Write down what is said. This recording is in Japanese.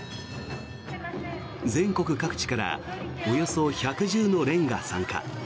全国各地からおよそ１１０の連が参加。